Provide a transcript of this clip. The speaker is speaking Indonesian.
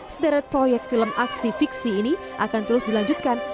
sederet proyek film aksi fiksi ini akan terus dilanjutkan